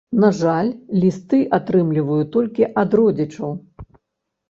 На жаль, лісты атрымліваю толькі ад родзічаў.